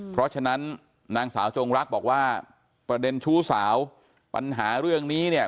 เพราะฉะนั้นนางสาวจงรักบอกว่าประเด็นชู้สาวปัญหาเรื่องนี้เนี่ย